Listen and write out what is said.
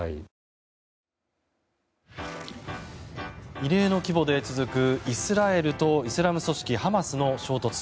異例の規模で続くイスラエルとイスラム組織ハマスの衝突。